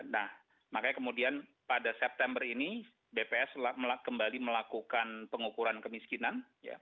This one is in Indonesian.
nah makanya kemudian pada september ini bps kembali melakukan pengukuran kemiskinan